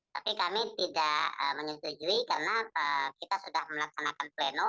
tapi kami tidak menyetujui karena kita sudah melaksanakan pleno